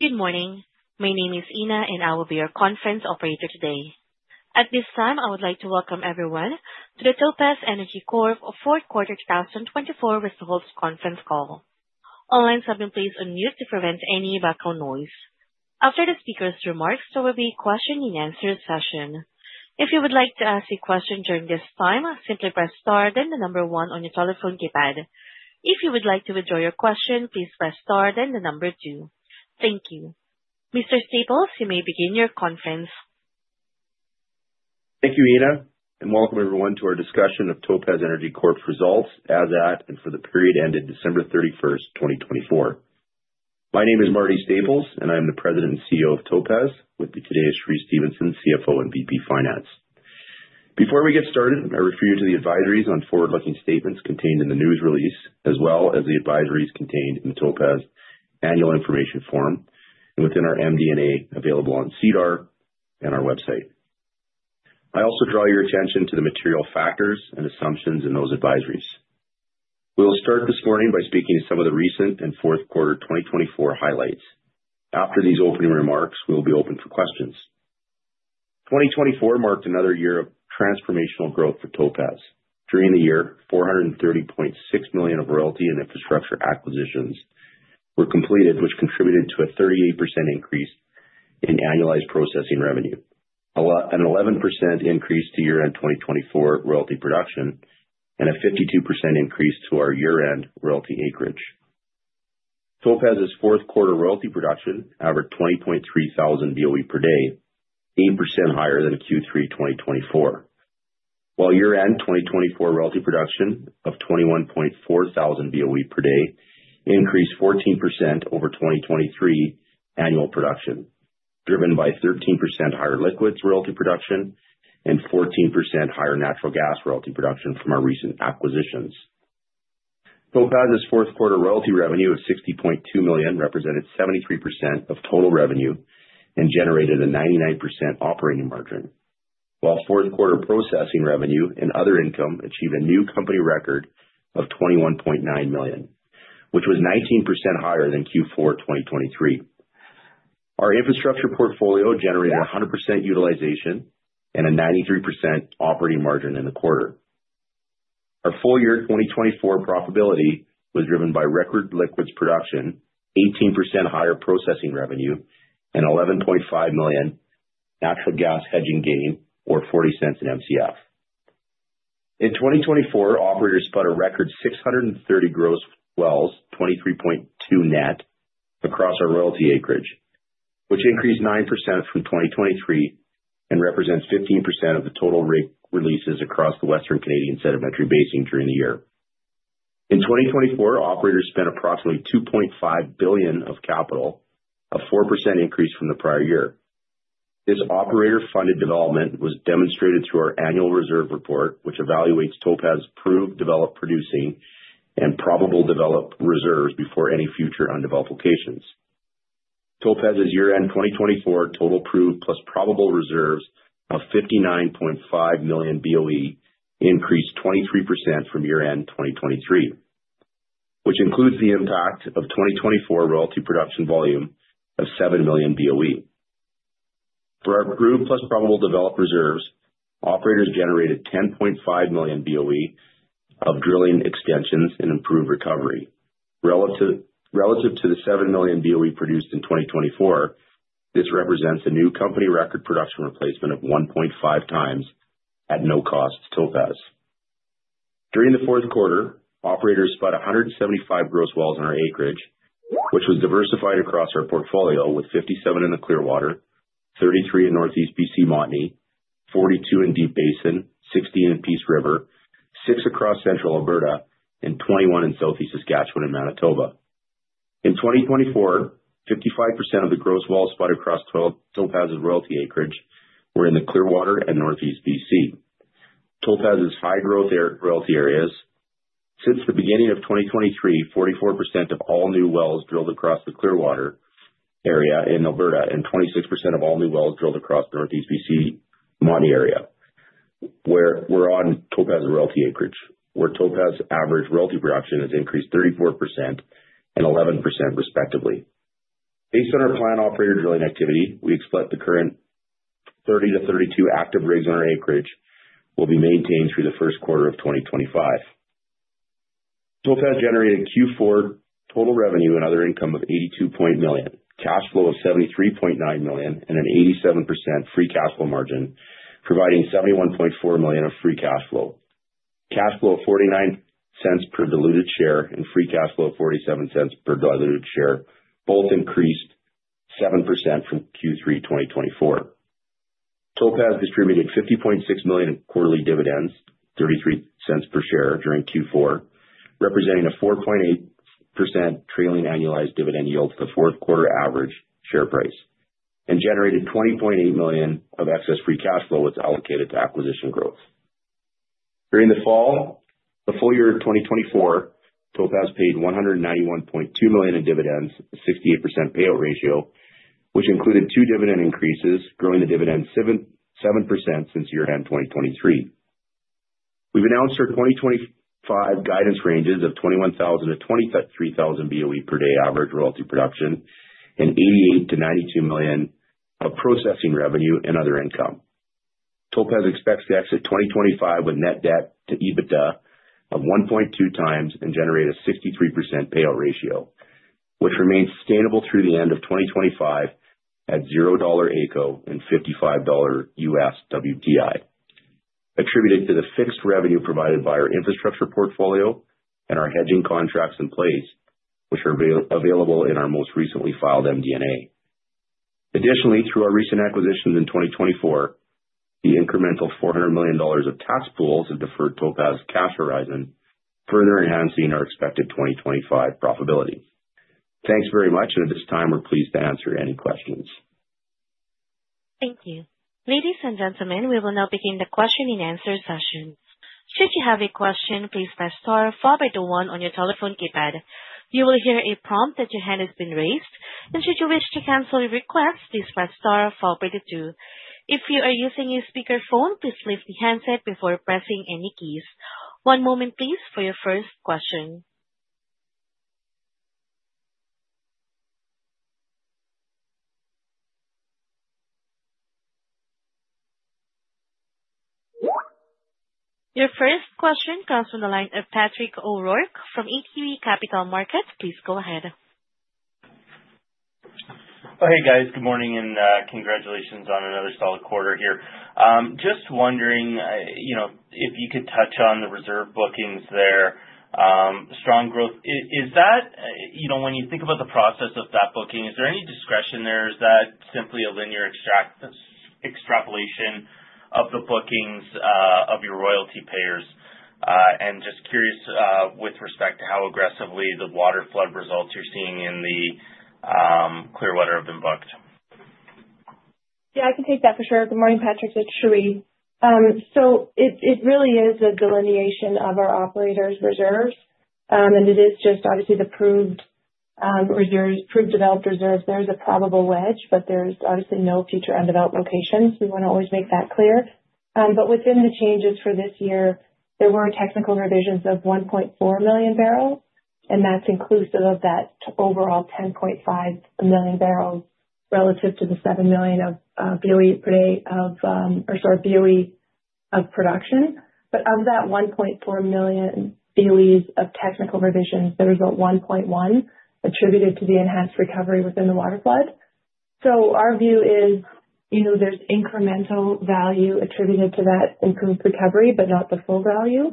Good morning. My name is Ina, and I will be your conference operator today. At this time, I would like to welcome everyone to the Topaz Energy Corp fourth quarter 2024 results conference call. All lines have been placed on mute to prevent any background noise. After the speaker's remarks, there will be a question and answer session. If you would like to ask a question during this time, simply press star then the number one on your telephone keypad. If you would like to withdraw your question, please press star then the number two. Thank you. Mr. Staples, you may begin your conference. Thank you, Ina, and welcome everyone to our discussion of Topaz Energy Corp's results as at and for the period ended December 31st, 2024. My name is Marty Staples, and I am the President and CEO of Topaz, with today's Cheree Stephenson, CFO and VP Finance. Before we get started, I refer you to the advisories on forward-looking statements contained in the news release, as well as the advisories contained in Topaz's annual information form and within our MD&A available on SEDAR+ and our website. I also draw your attention to the material factors and assumptions in those advisories. We'll start this morning by speaking to some of the recent and fourth quarter 2024 highlights. After these opening remarks, we'll be open for questions. 2024 marked another year of transformational growth for Topaz. During the year, 430.6 million of royalty and infrastructure acquisitions were completed, which contributed to a 38% increase in annualized processing revenue, an 11% increase to year-end 2024 royalty production, and a 52% increase to our year-end royalty acreage. Topaz's fourth quarter royalty production averaged 20.3 thousand BOE per day, 8% higher than Q3 2024, while year-end 2024 royalty production of 21.4 thousand BOE per day increased 14% over 2023 annual production, driven by 13% higher liquids royalty production and 14% higher natural gas royalty production from our recent acquisitions. Topaz's fourth quarter royalty revenue of 60.2 million represented 73% of total revenue and generated a 99% operating margin, while fourth quarter processing revenue and other income achieved a new company record of 21.9 million, which was 19% higher than Q4 2023. Our infrastructure portfolio generated 100% utilization and a 93% operating margin in the quarter. Our full year 2024 profitability was driven by record liquids production, 18% higher processing revenue, and $11.5 million natural gas hedging gain, or $0.40 per MCF. In 2024, operators spudded a record 630 gross wells, 23.2 net across our royalty acreage, which increased 9% from 2023 and represents 15% of the total rig releases across the Western Canadian Sedimentary Basin during the year. In 2024, operators spent approximately $2.5 billion of capital, a 4% increase from the prior year. This operator-funded development was demonstrated through our annual reserve report, which evaluates Topaz's proved developed producing and probable developed reserves before any future undeveloped locations. Topaz's year-end 2024 total proved plus probable reserves of 59.5 million BOE increased 23% from year-end 2023, which includes the impact of 2024 royalty production volume of 7 million BOE. For our proved plus probable developed reserves, operators generated 10.5 million BOE of drilling extensions and improved recovery. Relative to the 7 million BOE produced in 2024, this represents a new company record production replacement of 1.5 times at no cost to Topaz. During the fourth quarter, operators spud 175 gross wells in our acreage, which was diversified across our portfolio with 57 in the Clearwater, 33 in Northeast BC Montney, 42 in Deep Basin, 16 in Peace River, 6 across Central Alberta, and 21 in Southeast Saskatchewan and Manitoba. In 2024, 55% of the gross wells spun across Topaz's royalty acreage were in the Clearwater and Northeast BC. Topaz's high growth royalty areas. Since the beginning of 2023, 44% of all new wells drilled across the Clearwater area in Alberta and 26% of all new wells drilled across the Northeast BC Montney area were on Topaz's royalty acreage, where Topaz's average royalty production has increased 34% and 11% respectively. Based on our planned operator drilling activity, we expect the current 30-32 active rigs on our acreage will be maintained through the first quarter of 2025. Topaz generated Q4 total revenue and other income of 82.9 million, cash flow of 73.9 million, and an 87% free cash flow margin, providing 71.4 million of free cash flow. Cash flow of 0.49 per diluted share and free cash flow of 0.47 per diluted share both increased 7% from Q3 2024. Topaz distributed 50.6 million quarterly dividends, 0.33 per share during Q4, representing a 4.8% trailing annualized dividend yield to the fourth quarter average share price, and generated 20.8 million of excess free cash flow which allocated to acquisition growth. During the full year 2024, Topaz paid CAD 191.2 million in dividends, a 68% payout ratio, which included two dividend increases, growing the dividend 7% since year-end 2023. We've announced our 2025 guidance ranges of 21,000 to 23,000 BOE per day average royalty production and 88 million-92 million of processing revenue and other income. Topaz expects to exit 2025 with net debt to EBITDA of 1.2 times and generate a 63% payout ratio, which remains sustainable through the end of 2025 at $0 AECO and $55 US WTI, attributed to the fixed revenue provided by our infrastructure portfolio and our hedging contracts in place, which are available in our most recently filed MD&A. Additionally, through our recent acquisitions in 2024, the incremental $400 million of tax pools have deferred Topaz's cash horizon, further enhancing our expected 2025 profitability. Thanks very much, and at this time, we're pleased to answer any questions. Thank you. Ladies and gentlemen, we will now begin the question and answer session. Should you have a question, please press star followed by the one on your telephone keypad. You will hear a prompt that your hand has been raised, and should you wish to cancel your request, please press star followed by the two. If you are using a speakerphone, please lift the handset before pressing any keys. One moment, please, for your first question. Your first question comes from the line of Patrick O'Rourke from ATB Capital Markets. Please go ahead. Oh, hey, guys. Good morning and congratulations on another solid quarter here. Just wondering if you could touch on the reserve bookings there. Strong growth. When you think about the process of that booking, is there any discretion there? Is that simply a linear extrapolation of the bookings of your royalty payers? And just curious with respect to how aggressively the water flood results you're seeing in the Clearwater have been booked? Yeah, I can take that for sure. Good morning, Patrick. It's Cherie. So it really is a delineation of our operators' reserves, and it is just obviously the proved developed reserves. There is a probable wedge, but there's obviously no future undeveloped locations. We want to always make that clear. But within the changes for this year, there were technical revisions of 1.4 million barrels, and that's inclusive of that overall 10.5 million barrels relative to the 7 million BOE of production. But of that 1.4 million BOEs of technical revisions, there is a 1.1 attributed to the enhanced recovery within the water flood. So our view is there's incremental value attributed to that improved recovery, but not the full value.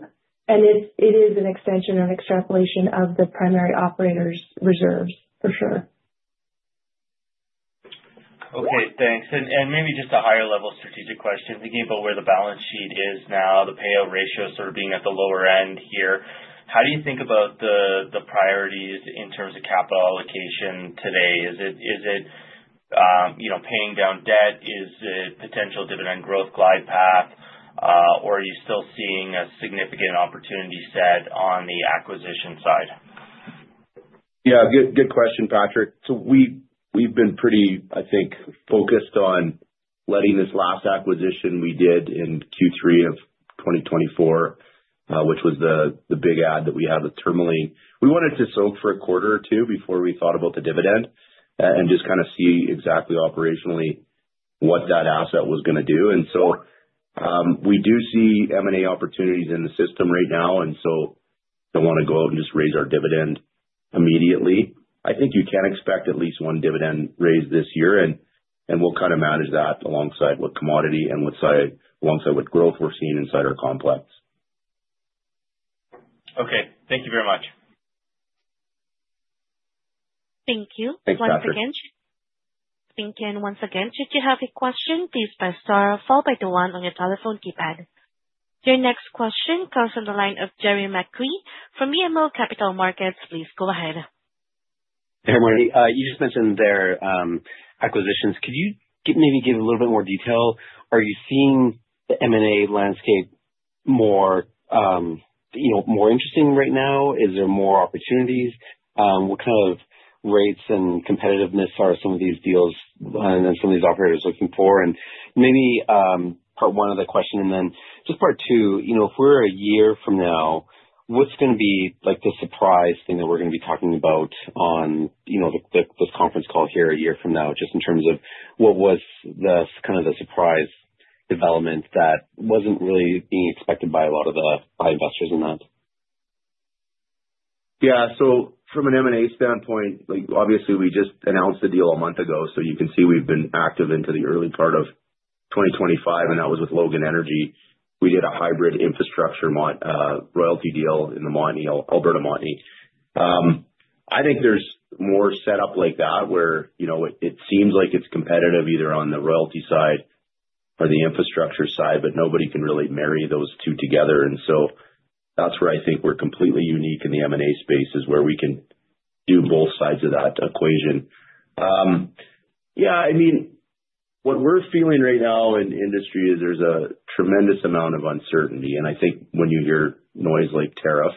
And it is an extension or an extrapolation of the primary operator's reserves, for sure. Okay. Thanks. And maybe just a higher-level strategic question. Thinking about where the balance sheet is now, the payout ratio sort of being at the lower end here, how do you think about the priorities in terms of capital allocation today? Is it paying down debt? Is it potential dividend growth glide path? Or are you still seeing a significant opportunity set on the acquisition side? Yeah. Good question, Patrick. So we've been pretty, I think, focused on letting this last acquisition we did in Q3 of 2024, which was the big deal that we had with Tourmaline. We wanted to soak for a quarter or two before we thought about the dividend and just kind of see exactly operationally what that asset was going to do. And so we do see M&A opportunities in the system right now, and so don't want to go out and just raise our dividend immediately. I think you can expect at least one dividend raise this year, and we'll kind of manage that alongside what commodity and alongside what growth we're seeing inside our complex. Okay. Thank you very much. Thank you. Thanks, Patrick. Thank you once again. Should you have a question, please press star followed by the one on your telephone keypad. Your next question comes from the line of Jeremy McCrea from BMO Capital Markets. Please go ahead. Hey, Marty. You just mentioned their acquisitions. Could you maybe give a little bit more detail? Are you seeing the M&A landscape more interesting right now? Is there more opportunities? What kind of rates and competitiveness are some of these deals and then some of these operators looking for? And maybe part one of the question, and then just part two, if we're a year from now, what's going to be the surprise thing that we're going to be talking about on this conference call here a year from now, just in terms of what was kind of the surprise development that wasn't really being expected by a lot of the investors in that? Yeah, so from an M&A standpoint, obviously, we just announced the deal a month ago, so you can see we've been active into the early part of 2025, and that was with Logan Energy. We did a hybrid infrastructure royalty deal in the Alberta Montney. I think there's more setup like that where it seems like it's competitive either on the royalty side or the infrastructure side, but nobody can really marry those two together, and so that's where I think we're completely unique in the M&A space is where we can do both sides of that equation. Yeah, I mean, what we're feeling right now in industry is there's a tremendous amount of uncertainty, and I think when you hear noise like tariff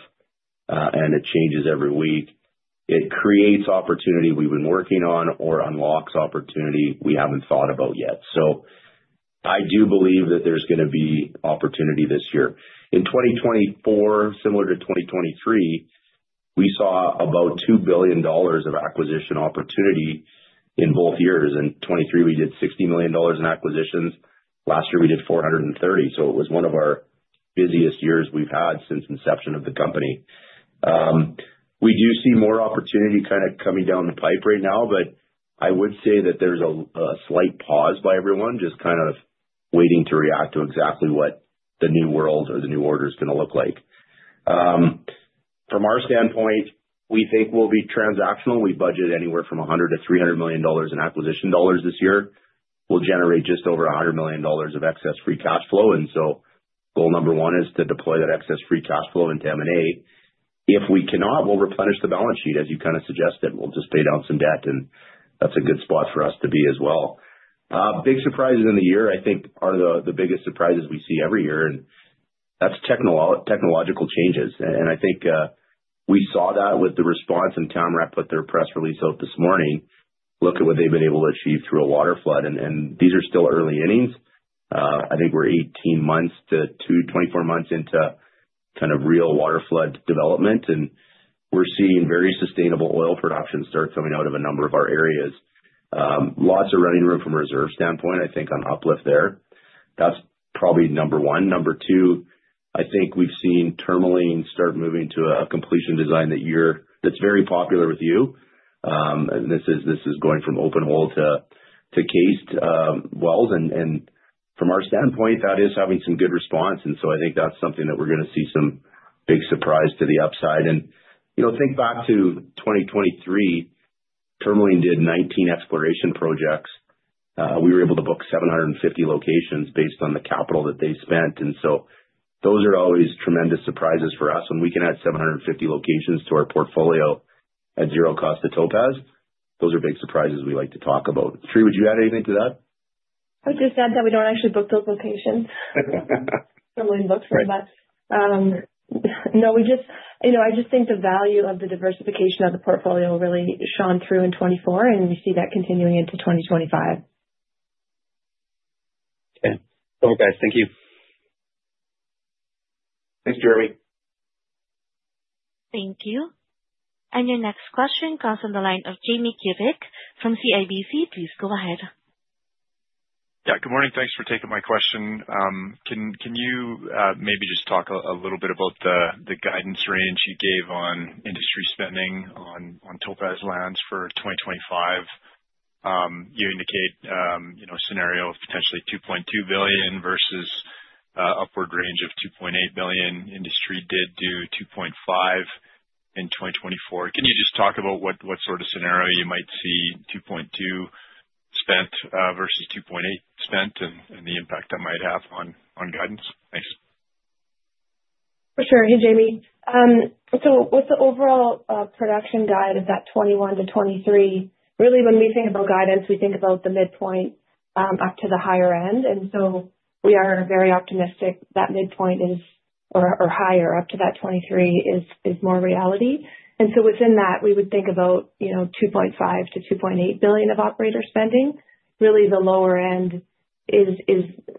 and it changes every week, it creates opportunity we've been working on or unlocks opportunity we haven't thought about yet. I do believe that there's going to be opportunity this year. In 2024, similar to 2023, we saw about 2 billion dollars of acquisition opportunity in both years. In 2023, we did 60 million dollars in acquisitions. Last year, we did 430 million. So it was one of our busiest years we've had since inception of the company. We do see more opportunity kind of coming down the pipe right now, but I would say that there's a slight pause by everyone just kind of waiting to react to exactly what the new world or the new order is going to look like. From our standpoint, we think we'll be transactional. We budget anywhere from 100-300 million dollars in acquisition dollars this year. We'll generate just over 100 million dollars of excess free cash flow. And so goal number one is to deploy that excess free cash flow into M&A. If we cannot, we'll replenish the balance sheet, as you kind of suggested. We'll just pay down some debt, and that's a good spot for us to be as well. Big surprises in the year, I think, are the biggest surprises we see every year, and that's technological changes. And I think we saw that with the response in town. We're going to put their press release out this morning, look at what they've been able to achieve through a water flood. And these are still early innings. I think we're 18 months to 24 months into kind of real water flood development, and we're seeing very sustainable oil production start coming out of a number of our areas. Lots of running room from a reserve standpoint, I think, on uplift there. That's probably number one. Number two, I think we've seen Tourmaline start moving to a completion design that's very popular with you. This is going from open hole to cased wells. And from our standpoint, that is having some good response. And so I think that's something that we're going to see some big surprise to the upside. And think back to 2023, Tourmaline did 19 exploration projects. We were able to book 750 locations based on the capital that they spent. And so those are always tremendous surprises for us. When we can add 750 locations to our portfolio at zero cost to Topaz, those are big surprises we like to talk about. Cherie, would you add anything to that? I would just add that we don't actually book those locations. Tourmaline books for us. No, I just think the value of the diversification of the portfolio really shone through in 2024, and we see that continuing into 2025. Okay. Perfect, guys. Thank you. Thanks, Jeremy. Thank you. And your next question comes from the line of Jamie Kubik from CIBC. Please go ahead. Yeah. Good morning. Thanks for taking my question. Can you maybe just talk a little bit about the guidance range you gave on industry spending on Topaz lands for 2025? You indicate a scenario of potentially 2.2 billion versus upward range of 2.8 billion. Industry did do 2.5 in 2024. Can you just talk about what sort of scenario you might see 2.2 spent versus 2.8 spent and the impact that might have on guidance? Thanks. For sure. Hey, Jamie. So with the overall production guide of that 2021 to 2023, really, when we think about guidance, we think about the midpoint up to the higher end. And so we are very optimistic that midpoint is or higher up to that 2023 is more reality. And so within that, we would think about 2.5-2.8 billion of operator spending. Really, the lower end is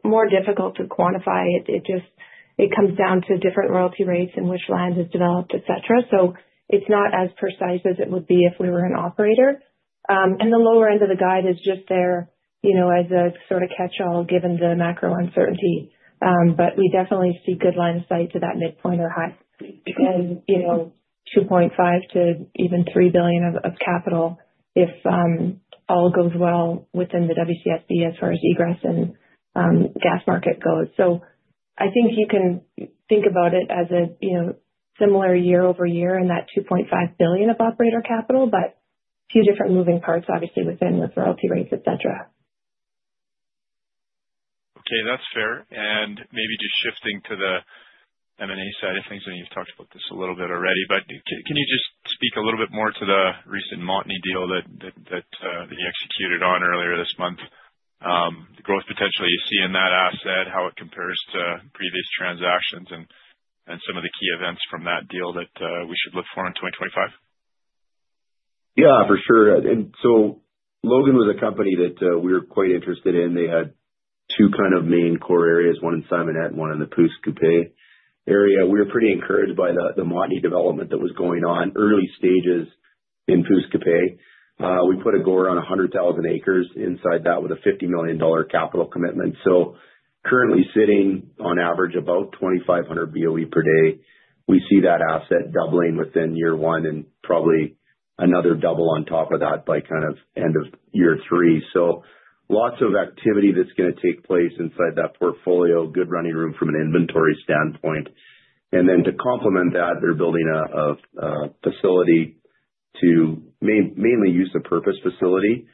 more difficult to quantify. It comes down to different royalty rates in which land is developed, etc. So it's not as precise as it would be if we were an operator. And the lower end of the guide is just there as a sort of catch-all given the macro uncertainty. But we definitely see good line of sight to that midpoint or high, and $2.5 to even $3 billion of capital if all goes well within the WCSB as far as egress and gas market goes. So I think you can think about it as a similar year over year in that $2.5 billion of operator capital, but a few different moving parts, obviously, within royalty rates, etc. Okay. That's fair. And maybe just shifting to the M&A side of things, and you've talked about this a little bit already, but can you just speak a little bit more to the recent Montney deal that you executed on earlier this month? The growth potential you see in that asset, how it compares to previous transactions, and some of the key events from that deal that we should look for in 2025? Yeah, for sure. And so Logan was a company that we were quite interested in. They had two kind of main core areas, one in Simonette and one in the Pouce Coupé area. We were pretty encouraged by the Montney development that was going on early stages in Pouce Coupé. We put a GORR on 100,000 acres inside that with a 50 million dollar capital commitment. So currently sitting on average about 2,500 BOE per day. We see that asset doubling within year one and probably another double on top of that by kind of end of year three. So lots of activity that's going to take place inside that portfolio, good running room from an inventory standpoint. And then to complement that, they're building a facility to mainly use the Pouce facility.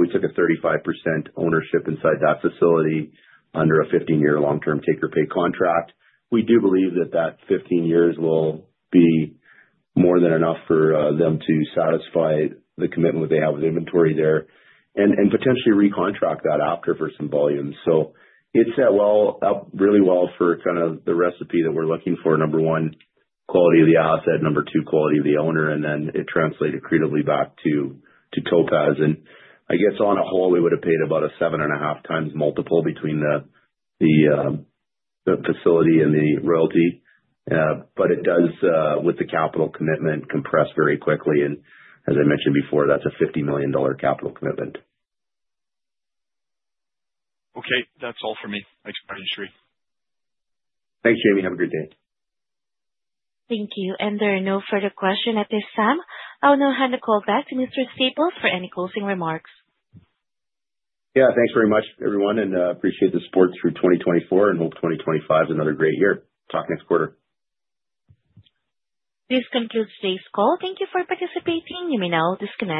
We took a 35% ownership inside that facility under a 15-year long-term take-or-pay contract. We do believe that that 15 years will be more than enough for them to satisfy the commitment they have with inventory there and potentially recontract that after for some volume. So it's set really well for kind of the recipe that we're looking for. Number one, quality of the asset. Number two, quality of the owner. And then it translated creatively back to Topaz. And I guess on a whole, we would have paid about a seven and a half times multiple between the facility and the royalty. But it does, with the capital commitment, compress very quickly. And as I mentioned before, that's a 50 million dollar capital commitment. Okay. That's all for me. Thanks very much, Cherie. Thanks, Jamie. Have a great day. Thank you. And there are no further questions at this time. I'll now hand the call back to Mr. Staples for any closing remarks. Yeah. Thanks very much, everyone. And appreciate the support through 2024 and hope 2025 is another great year. Talk next quarter. This concludes today's call. Thank you for participating. You may now disconnect.